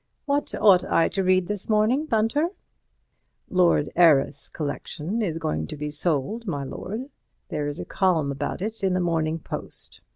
What ought I to read this morning, Bunter?" "Lord Erith's collection is going to be sold, my lord. There is a column about it in the Morning Post.